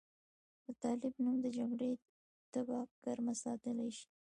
د طالب نوم د جګړې تبه ګرمه ساتلی شي.